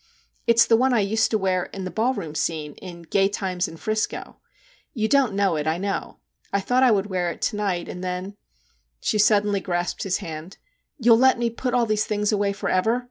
It's the one I used to wear in the ballroom scene in " Gay 48 MR. JACK HAMLIN'S MEDIATION Times in 'Frisco." You don't know it, I know. I thought I would wear it to night, and then,' she suddenly grasped his hand, ' you '11 let me put all these things away for ever